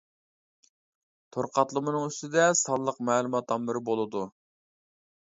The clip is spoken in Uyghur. تور قاتلىمىنىڭ ئۈستىدە سانلىق مەلۇمات ئامبىرى بولىدۇ.